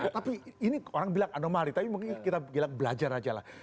tapi ini orang bilang anomali tapi mungkin kita belajar aja lah